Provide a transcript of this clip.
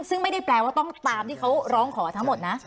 ซึ่งไม่ได้แปลว่าต้องตามที่เขาร้องขอทั้งหมดนะ